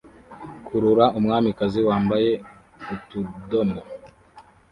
Kurura umwamikazi wambaye utudomo